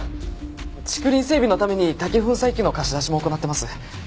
竹林整備のために竹粉砕機の貸し出しも行ってます。